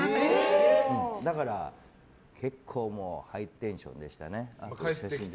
だから、結構ハイテンションでしたね。